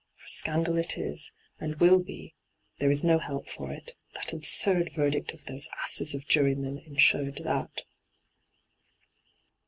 For scandal it is, and will be, there is no help for it ; that absurd verdict of those aases of jurymen insured that.'